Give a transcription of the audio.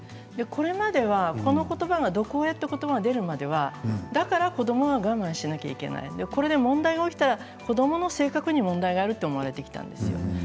これまでは毒親という言葉が出るまではだから子どもは我慢しなくてはいけないこれで問題が起きたら子どもの性格に問題があると思われていたんです。